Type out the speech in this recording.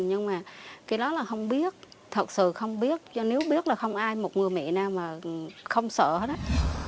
nhưng mà cái đó là không biết thật sự không biết do nếu biết là không ai một người mẹ nào mà không sợ đó